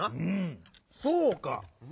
そうか！